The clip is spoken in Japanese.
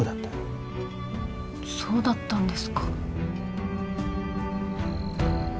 そうだったんですか。